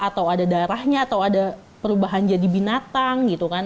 atau ada darahnya atau ada perubahan jadi binatang gitu kan